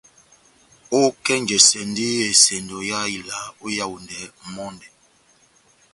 Ókenjɛsɛndi esɛndo yá ila ó Yaondɛ mɔndɛ.